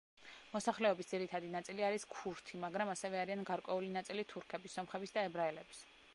მოსახლეობის ძირითადი ნაწილი არის ქურთი, მაგრამ ასევე არიან გარკვეული ნაწილი თურქების, სომხების და ებრაელების.